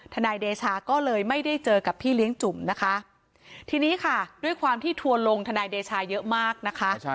นายเดชาก็เลยไม่ได้เจอกับพี่เลี้ยงจุ่มนะคะทีนี้ค่ะด้วยความที่ทัวร์ลงทนายเดชาเยอะมากนะคะ